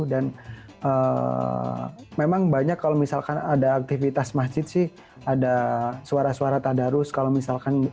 dan memang banyak kalau misalkan ada aktivitas masjid sih ada suara suara tadarus kalau misalkan bulan ramadan ini